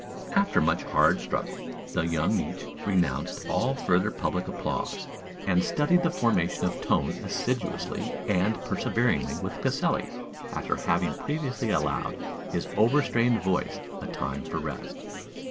After much hard struggle, the young Miksch renounced all further public applause, and studied the formation of tone assiduously and perseveringly with Caselli, after having previously allowed his over strained voice a time for rest.